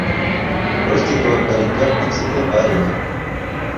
Простенького паренька подцепила барынька.